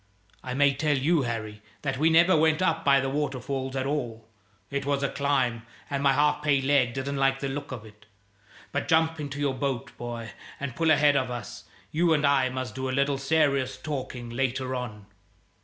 I may tell you, Harry, that we never went up by the waterfalls at all. It was a climb, and my half pay leg didn't like the look of it. But, jump into your boat, boy, and pull ahead of us. You and I must do a little serious talking later on."